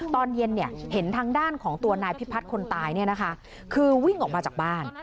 ตอนเย็นเห็นทางด้านของตัวนายพิพัฒน์คนตายคือวิ่งออกมาจากบ้าน